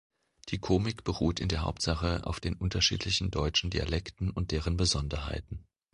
Die Komik beruht in der Hauptsache auf den unterschiedlichen deutschen Dialekten und deren Besonderheiten.